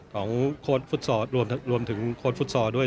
โค้ดฟุตซอลรวมถึงโค้ดฟุตซอลด้วย